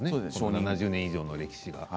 ７０年以上の歴史が。